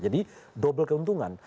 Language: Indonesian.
jadi double keuntungan